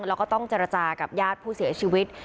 แล้วก็ต้องเจรจากับญาติผู้เสียชีวิต